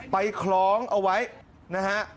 คล้องเอาไว้นะฮะ